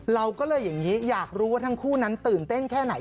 เราก็เลยอย่างนี้อยากรู้ว่าทั้งคู่นั้นตื่นเต้นแค่ไหน